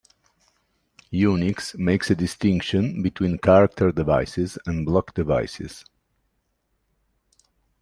Unix makes a distinction between character devices and block devices.